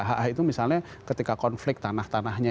hak hak itu misalnya ketika konflik tanah tanahnya